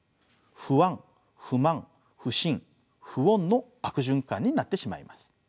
不安不満不信不穏の悪循環になってしまいます。